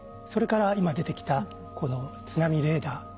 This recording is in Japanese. それから今出てきたこの津波レーダー